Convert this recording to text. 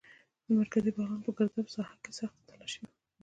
د مرکزي بغلان په ګرداب ساحه کې سخته تالاشي وه.